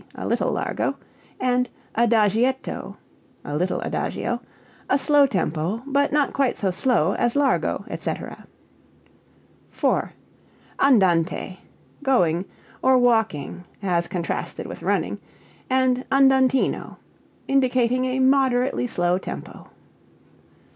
_, a little largo) and adagietto (a little adagio) a slow tempo, but not quite so slow as largo, etc. 4. Andante (going, or walking, as contrasted with running) and andantino indicating a moderately slow tempo.